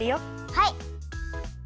はい！